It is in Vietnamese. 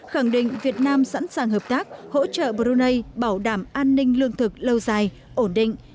khẳng định việt nam sẵn sàng hợp tác hỗ trợ brunei bảo đảm an ninh lương thực lâu dài ổn định